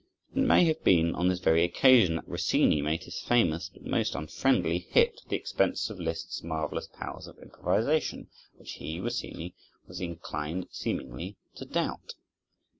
It may have been on this very occasion that Rossini made his famous, but most unfriendly, hit at the expense of Liszt's marvelous powers of improvisation, which he, Rossini, was inclined seemingly to doubt.